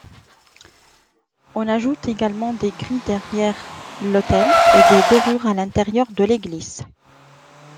On ajoute également des grilles derrière l'autel et des dorures à l'intérieur de l'église.